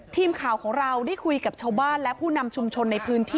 ทีมข่าวของเราได้คุยกับชาวบ้านและผู้นำชุมชนในพื้นที่